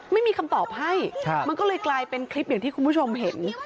ไม่มีคำตอบให้มันก็เลยกลายเป็นคลิปอย่างที่คุณผู้ชมเห็น